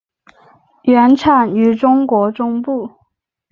原产于中国中部。